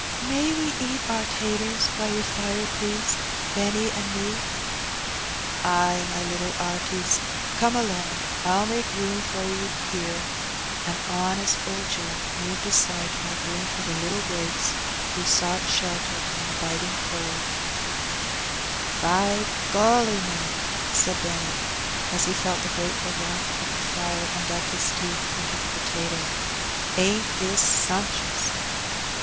''May we eat our taters by your fire, please — Benny an' me?" "Ay, ay, my little 'arties. Come along, I'll make room for 'e here ;" and honest old Joe moved aside to make room for the little waifs who sought shelter from the biting cold. Brothbu and Sister. 9 " By golly, Nell 1 " aaid Benny, as he felt the gratefbl warmth of the fire, and dag his teeth into the potato, " ain't this snmpshus?"